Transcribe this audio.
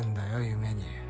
夢に。